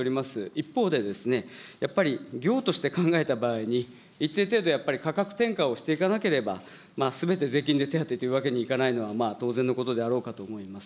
一方で、やっぱり業として考えた場合に、一定程度、やっぱり価格転嫁をしていかなければ、すべて税金で手当というわけにはいかないのは、まあ、当然のことであろうかと思います。